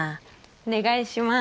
お願いします。